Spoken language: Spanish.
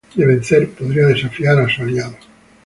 De vencer, podría desafiar a su aliado.